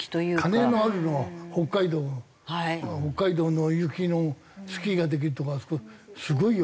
金のあるのは北海道の北海道の雪のスキーができるとこあそこすごいよ。